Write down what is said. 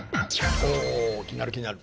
おおーっ気になる気になる。